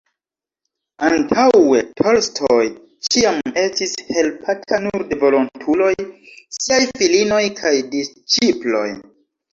Antaŭe Tolstoj ĉiam estis helpata nur de volontuloj, siaj filinoj kaj «disĉiploj».